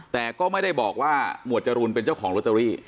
แต่ก็ไม่ได้บอกว่าหมวดจรูนเป็นเจ้าของโรตเตอรี่